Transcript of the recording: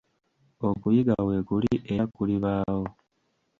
Okuyiga weekuli era kulibaawo.